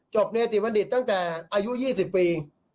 จบในทีพนดิตตั้งแต่อายุ๒๐ปี